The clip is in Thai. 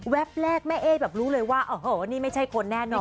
แรกแม่เอ๊แบบรู้เลยว่าโอ้โหนี่ไม่ใช่คนแน่นอน